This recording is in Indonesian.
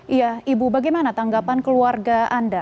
iya ibu bagaimana tanggapan keluarga anda